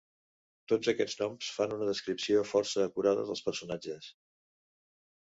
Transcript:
Tots aquests noms fan una descripció força acurada dels personatges.